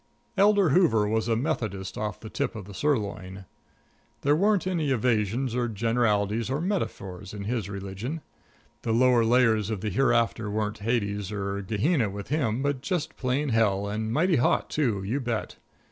Elder Hoover was a Methodist off the tip of the sirloin. There weren't any evasions or generalities or metaphors in his religion. The lower layers of the hereafter weren't Hades or Gehenna with him, but just plain Hell, and mighty hot, too, you bet.